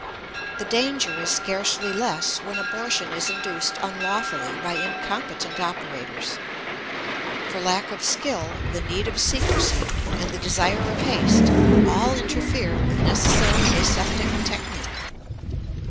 The danger is scarcely less when abortion is induced unlawfully by incompetent operators; for lack of skill, the need of secrecy, and the desire of haste all interfere with necessary aseptic technique.